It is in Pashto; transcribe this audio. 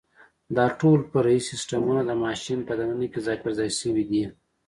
دا ټول فرعي سیسټمونه د ماشین په دننه کې ځای پرځای شوي دي.